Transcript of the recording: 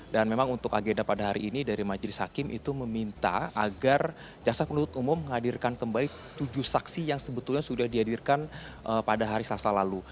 memang untuk agenda pada hari ini dari majelis hakim itu meminta agar jaksa penuntut umum menghadirkan kembali tujuh saksi yang sebetulnya sudah dihadirkan pada hari selasa lalu